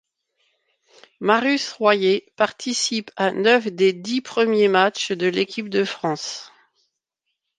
Marius Royet participe à neuf des dix premiers matchs de l'équipe de France.